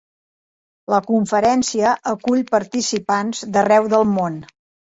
La conferència acull participants d'arreu del món.